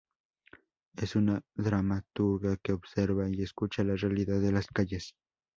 Es una dramaturga que observa y escucha la realidad de las calles.